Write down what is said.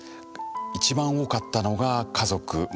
一番多かったのが家族ま